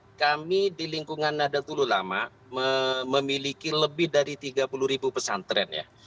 ya kami di lingkungan nadatul ulama memiliki lebih dari tiga puluh ribu pesantren ya